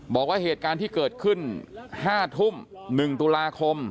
บอกว่าเหตุการณ์ที่เกิดขึ้น๕ทุ่ม๑ตุลาคม